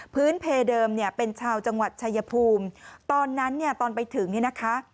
พื้นเพเดิมเป็นชาวจังหวัดชายภูมิตอนนั้นตอนไปถึงนะคะ